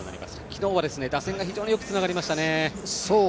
昨日は打線が非常によくつながりましたね。